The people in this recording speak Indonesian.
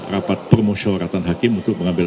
rapat permohon syawaratan hakim untuk mengambil